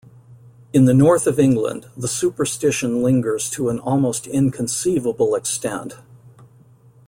In the north of England, the superstition lingers to an almost inconceivable extent.